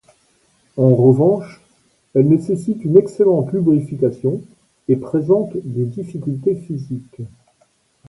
En revanche, elle nécessite une excellente lubrification et présente des difficultés physiques.